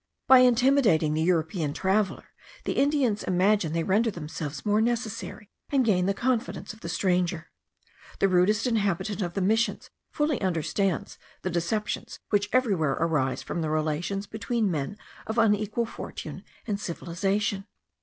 By intimidating the European traveller, the Indians imagine they render themselves more necessary, and gain the confidence of the stranger. The rudest inhabitant of the missions fully understands the deceptions which everywhere arise from the relations between men of unequal fortune and civilization.